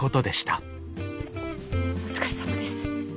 お疲れさまです。